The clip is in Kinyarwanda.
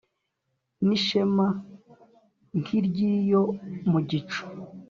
N'Ishema nk'iry'iyo mu gicu